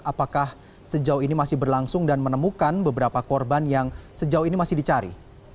apakah sejauh ini masih berlangsung dan menemukan beberapa korban yang sejauh ini masih dicari